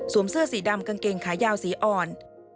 เสื้อสีดำกางเกงขายาวสีอ่อน